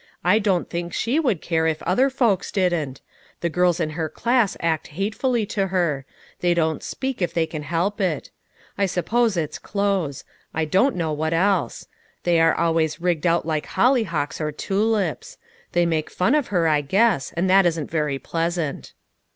" I don't think she would care if other folks didn't. The girls in her class act hatefully to her; they don't speak, if they can help it. I suppose it's clothes; I don't know what else ; they are always rigged out like hollyhocks or tulips ; they make fun of her, I guess ; and that isn't very pleasant."